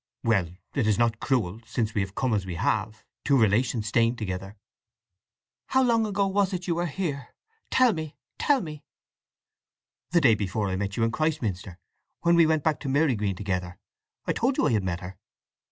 Well—it is not cruel, since we have come as we have—two relations staying together." "How long ago was it you were here? Tell me, tell me!" "The day before I met you in Christminster, when we went back to Marygreen together. I told you I had met her."